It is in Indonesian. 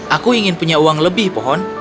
aku ingin punya uang lebih pohon